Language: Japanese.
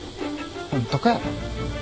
ホントかよ。